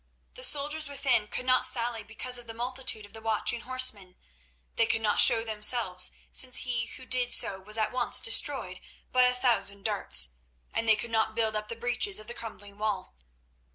The soldiers within could not sally because of the multitude of the watching horsemen; they could not show themselves, since he who did so was at once destroyed by a thousand darts, and they could not build up the breaches of the crumbling wall.